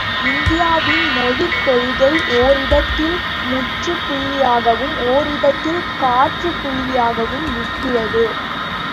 இந்தியாவின் மொழிக் கொள்கை ஓரிடத்தில் முற்றுப் புள்ளியாகவும் ஓரிடத்தில் காற்புள்ளியாகவும் நிற்கிறது.